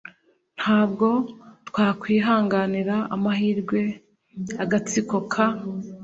Ntabwo twakwihanganira amahirwe agatsiko ka .